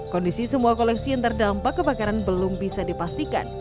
kondisi semua koleksi yang terdampak kebakaran belum bisa dipastikan